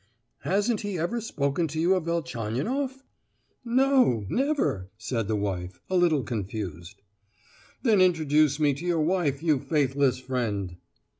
"Hasn't he ever spoken to you of Velchaninoff?" "No, never," said the wife, a little confused. "Then introduce me to your wife, you faithless friend!"